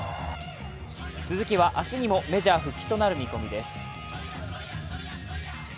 鈴木は明日にもメジャー復帰となる見込みです。